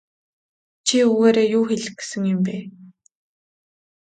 Чи үүгээрээ юу хэлэх гэсэн юм бэ?